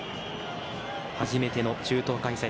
初めての中東開催。